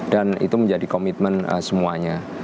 dan itu menjadi komitmen semuanya